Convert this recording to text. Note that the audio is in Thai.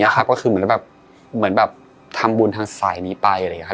ความคิดเปลี่ยน